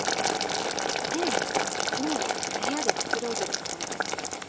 ええもう部屋でくつろいでるところですよ。